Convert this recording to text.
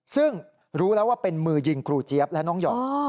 ซึ่งรู้แล้วว่าเป็นมือยิงครูเจี๊ยบและน้องหย่อ